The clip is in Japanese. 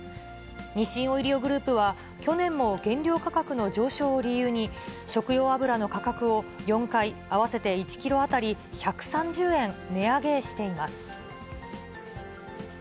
日清オイリオグループは、去年も原料価格の上昇を理由に、食用油の価格を４回、合わせて１キロ当たり１３０円値上げしています。